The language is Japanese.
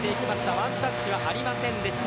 ワンタッチありませんでした。